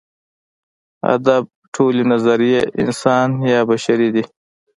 ادب ټولې نظریې انساني یا بشري دي.